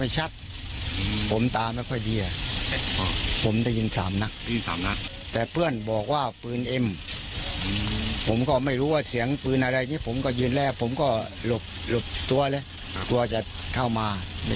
ซึ่งถือว่าปืนเอ็มผมก็ไม่รู้ว่าเสียงปืนอะไรนี้ผมก็ยืนแล้วผมก็หลบตัวแหละตัวจะเข้ามา